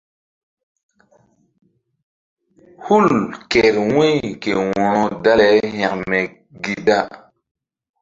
Hul kehr wu̧y ke wo̧ro dale hekme gi da.